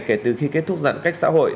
kể từ khi kết thúc giãn cách xã hội